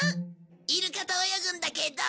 イルカと泳ぐんだけど。